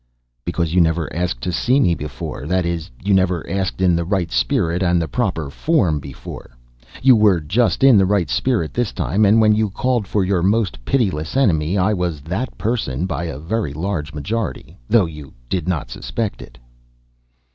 "Because you never asked to see me before; that is, you never asked in the right spirit and the proper form before. You were just in the right spirit this time, and when you called for your most pitiless enemy I was that person by a very large majority, though you did not suspect it."